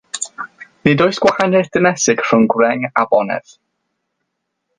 Nid oes gwahaniaeth dinesig rhwng gwreng a bonedd.